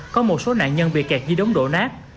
có một số nạn nhân bị kẹt dưới đống đổ nát